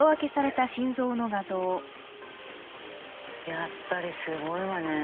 やっぱりすごいわね。